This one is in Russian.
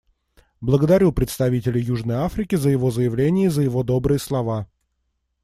Благодарю представителя Южной Африки за его заявление и за его добрые слова.